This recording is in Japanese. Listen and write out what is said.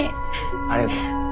ありがとね。